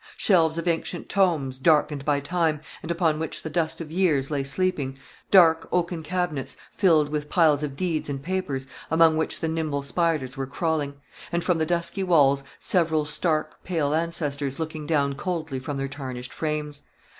Shelves of ancient tomes, darkened by time, and upon which the dust of years lay sleeping dark oaken cabinets, filled with piles of deeds and papers, among which the nimble spiders were crawling and, from the dusky walls, several stark, pale ancestors, looking down coldly from their tarnished frames.